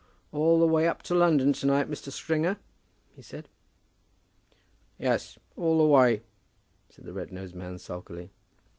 "All the way to London to night, Mr. Stringer?" he said. "Yes, all the way," said the red nosed man, sulkily.